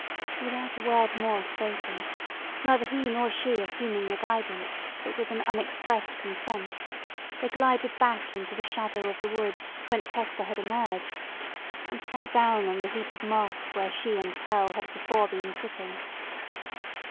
Without a word more spoken—neither he nor she assuming the guidance, but with an unexpressed consent—they glided back into the shadow of the woods whence Hester had emerged, and sat down on the heap of moss where she and Pearl had before been sitting.